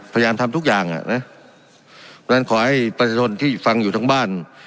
พยายามทำทุกอย่างอ่ะนะเพราะฉะนั้นขอให้ประชาชนที่ฟังอยู่ทั้งบ้าน